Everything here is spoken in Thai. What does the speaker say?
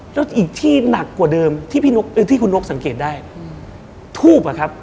แล้วอีกที่หนักกว่าเดิมที่พี่นกที่คุณนกสังเกตได้ทูบอะครับ